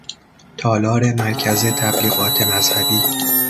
تالار مرکز تبلیغات مذهبی